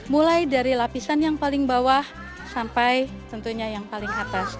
mulai dari lapisan yang paling bawah sampai tentunya yang paling atas